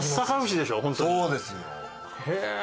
そうですよ。へえ。